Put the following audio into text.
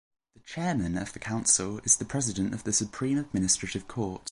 The chairman of The Council is The President of the Supreme Administrative Court.